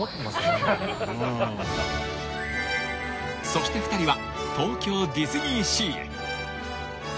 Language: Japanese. ［そして２人は東京ディズニーシーへ］